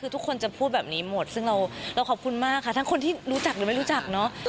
คือทุกคนจะพูดแบบนี้หมดซึ่งเราขอบคุณมากค่ะทั้งคนที่รู้จักหรือไม่รู้จักเนาะ